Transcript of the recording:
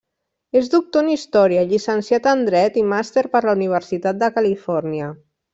És doctor en Història, llicenciat en dret i màster per la Universitat de Califòrnia.